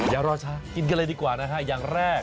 อย่ารอช้ากินกันเลยดีกว่านะฮะอย่างแรก